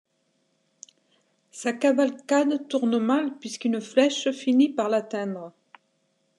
Sa cavalcade tourne mal, puisqu'une flèche finit par l'atteindre.